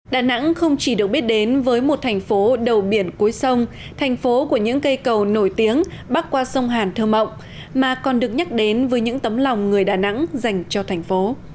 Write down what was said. đà nẵng không chỉ được biết đến với một thành phố đầu biển cuối sông thành phố của những cây cầu nổi tiếng bắc qua sông hàn thơ mộng mà còn được nhắc đến với những tấm lòng người đà nẵng dành cho thành phố